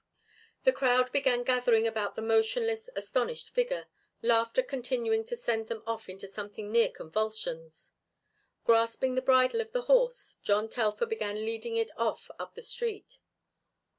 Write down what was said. The crowd began gathering about the motionless, astonished figure, laughter continuing to send them off into something near convulsions. Grasping the bridle of the horse, John Telfer began leading it off up the street.